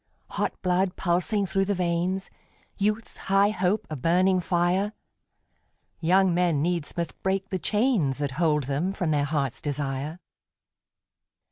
Hot blood pulsing through the veins, Youth's high hope a burning fire, Young men needs must break the chains That hold them from their hearts' desire.